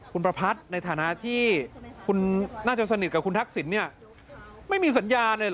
คุณประพัทธ์ในฐานะที่คุณน่าจะสนิทกับคุณทักษิณเนี่ยไม่มีสัญญาเลยเหรอ